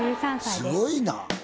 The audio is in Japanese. すごいな。